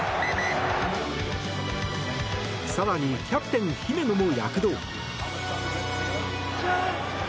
更に、キャプテン姫野も躍動。